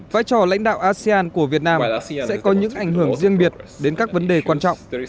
vai trò lãnh đạo asean của việt nam sẽ có những ảnh hưởng riêng biệt đến các vấn đề quan trọng